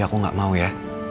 aku gak mau ya